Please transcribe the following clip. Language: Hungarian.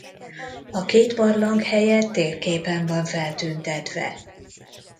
A két barlang helye térképen van feltüntetve.